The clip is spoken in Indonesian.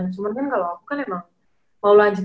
cuman kan kalau aku kan emang mau lanjut